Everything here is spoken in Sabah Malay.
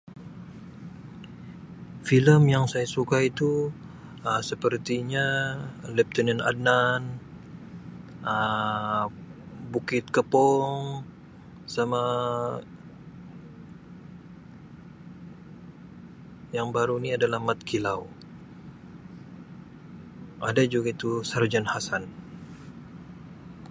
Filem yang saya suka itu Um sepertinya Leftenan Adnan Um Bukit Kepong sama yang baru ni adalah Mat Kilau ada juga itu Sarjan Hassan.